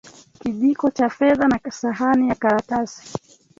Kijiko cha fedha na sahani ya karatasi